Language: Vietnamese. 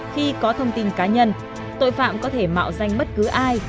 khi có thông tin cá nhân tội phạm có thể mạo danh bất cứ ai